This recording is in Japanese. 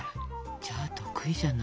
じゃあ得意じゃない。